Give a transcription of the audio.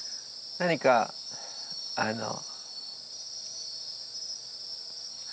何かあの。